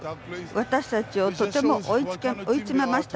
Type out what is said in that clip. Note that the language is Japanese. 私たちをとても追い詰めました。